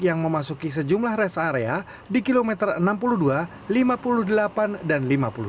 yang memasuki sejumlah res area di kilometer enam puluh dua lima puluh delapan dan lima puluh dua